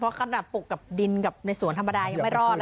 เพราะขนาดปลุกกับดินกับในสวนธรรมดายังไม่รอด